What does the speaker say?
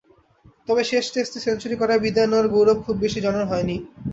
তবে শেষ টেস্টে সেঞ্চুরি করে বিদায় নেওয়ার গৌরব খুব বেশি জনের হয়নি।